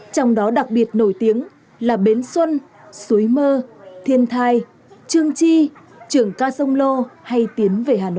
trong đó đặc biệt nổi tiếng là bến xuân suối mơ thiên thai trương chi trường ca sông lô hay tiến